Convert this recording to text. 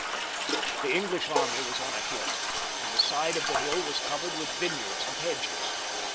168 JOHN (LE BON), [CH. The English army was on a hill, and the side of the hill was covered with vineyards and hedges.